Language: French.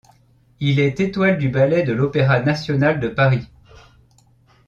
Il est étoile du ballet de l'Opéra national de Paris.